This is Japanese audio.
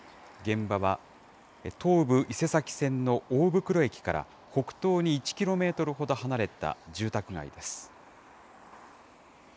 現場は東武伊勢崎線の大袋駅から、北東に１キロメートルほど離れた住宅街です。